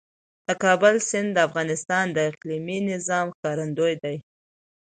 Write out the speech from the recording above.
د کابل سیند د افغانستان د اقلیمي نظام ښکارندوی دی.